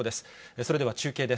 それでは中継です。